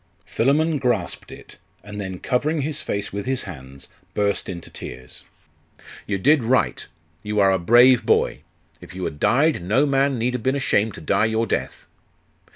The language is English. Philammon grasped it, and then covering his face with his hands, burst into tears. 'You did right. You are a brave boy. If you had died, no man need have been ashamed to die your death.